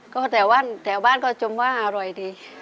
ก็แถวบ้านก็จงว่าอร่อยดี